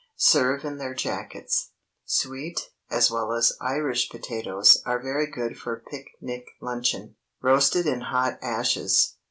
Serve in their jackets. Sweet, as well as Irish potatoes, are very good for pic nic luncheon, roasted in hot ashes.